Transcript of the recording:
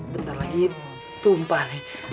bentar lagi tumpah nih